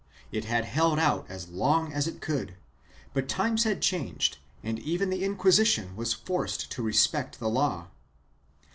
It had held out as long as it could, but times had changed and even the Inquisition was forced to respect the law.